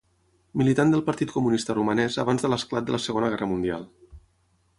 Militant del Partit Comunista Romanès abans de l'esclat de la Segona Guerra Mundial.